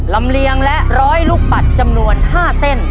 เก่งและร้อยลูกปัด๕เส้น